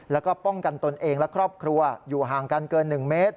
แล้วก็ป้องกันตนเองและครอบครัวอยู่ห่างกันเกิน๑เมตร